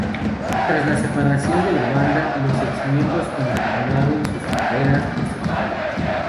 Tras la separación de la banda, los ex miembros continuaron sus carreras por separado.